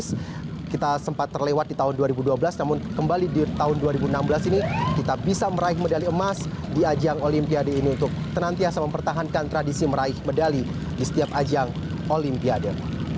dan kita sempat terlewat di tahun dua ribu dua belas namun kembali di tahun dua ribu enam belas ini kita bisa meraih medali emas di ajang olimpiade ini untuk penantiasa mempertahankan tradisi meraih medali di setiap ajang olimpiade